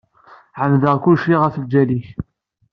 Ɛemmdeɣ kulci ɣef lǧal-ik.